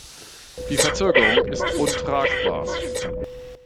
Die Verzögerung ist untragbar.